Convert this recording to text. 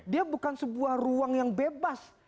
dia bukan sebuah ruang yang bebas